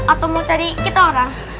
atau mau cari kita orang